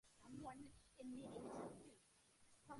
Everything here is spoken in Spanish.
Se nombró en honor del Presidente Elpidio A. Quirino.